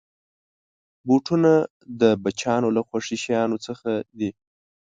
بوټونه د بچیانو له خوښې شيانو څخه دي.